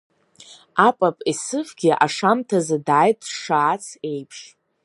Апап Есыфгьы ашамҭазы дааит дшаац еиԥш.